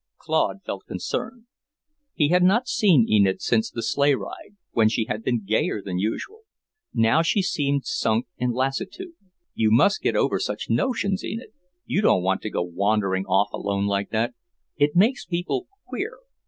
Claude felt concern. He had not seen Enid since the sleigh ride, when she had been gayer than usual. Now she seemed sunk in lassitude. "You must get over such notions, Enid. You don't want to go wandering off alone like that. It makes people queer.